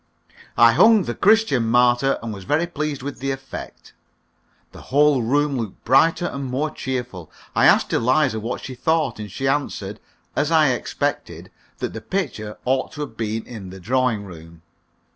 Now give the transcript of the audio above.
I hung the "Christian Martyr," and was very pleased with the effect. The whole room looked brighter and more cheerful. I asked Eliza what she thought, and she answered, as I expected, that the picture ought to have been in the drawing room.